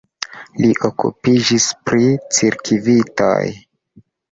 Li okupiĝis pri cirkvitoj.